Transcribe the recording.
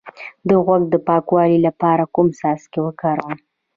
د غوږ د پاکوالي لپاره کوم څاڅکي وکاروم؟